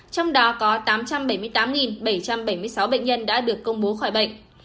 trong đó có tám trăm bảy mươi tám bảy trăm bảy mươi sáu bệnh nhân đã được công bố khỏi bệnh